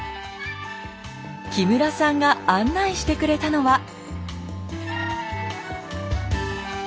木村さんが案内してくれたのは。